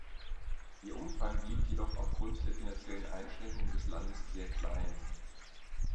Ihr Umfang blieb jedoch aufgrund der finanziellen Einschränkungen des Landes sehr klein.